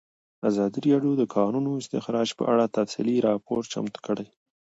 ازادي راډیو د د کانونو استخراج په اړه تفصیلي راپور چمتو کړی.